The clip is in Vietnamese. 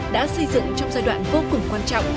đã xây dựng trong giai đoạn vô cùng quan trọng